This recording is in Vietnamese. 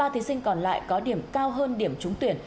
ba thí sinh còn lại có điểm cao hơn điểm trúng tuyển